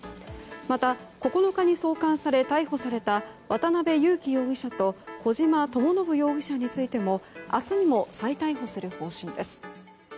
また、９日に送還され逮捕された渡邉優樹容疑者と小島智信容疑者についても明日にも再逮捕する方針です。